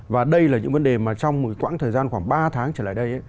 và đây là những vấn đề mà trong một quãng thời gian khoảng ba tháng trở lại đây